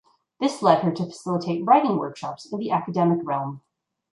This lead her to facilitate writing workshops in the academic realm.